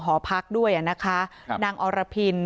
หอพักด้วยนะคะนางอรพิน